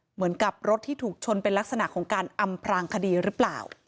เหมือนกับรถที่ถูกชนเป็นลักษณะของการอำพรางคดีหรือเปล่า